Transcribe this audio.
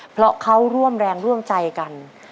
เพราะเขาร่วมแรงร่วมใจกัน